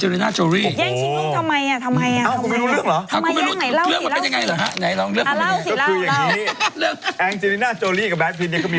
อีกคร่าวนึงใครแย่งชิงลูกกันน่ะพี่